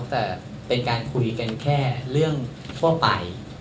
แต่เป็นการคุยกันแค่เรื่องทั่วไป